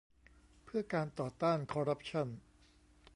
เพื่อการต่อต้านคอร์รัปชั่น